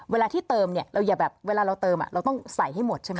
เวลาที่เติมเนี่ยเราอย่าแบบเวลาเราเติมเราต้องใส่ให้หมดใช่ไหม